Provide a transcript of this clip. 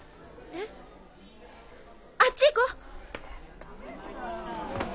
えっ⁉あっち行こう！